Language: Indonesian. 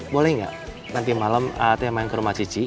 boleh gak nanti malem teh main ke rumah cici